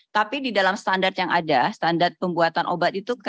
tapi di dalam standar yang ada standar pembuatan obat itu